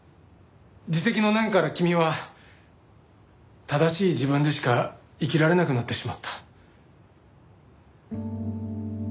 自責の念から君は正しい自分でしか生きられなくなってしまった。